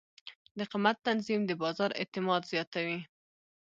د قیمت تنظیم د بازار اعتماد زیاتوي.